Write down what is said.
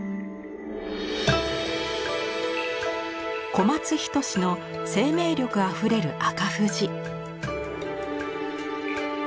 小松均の生命力あふれる赤富士。